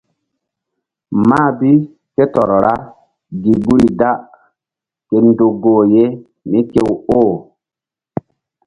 Mah bi ké tɔr ra gi guri da ke ndo goh ye mí kew oh.